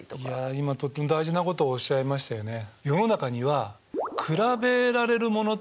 いや今とっても大事なことをおっしゃいましたよね。